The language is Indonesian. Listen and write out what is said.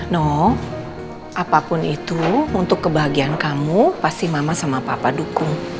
no apapun itu untuk kebahagiaan kamu pasti mama sama papa dukung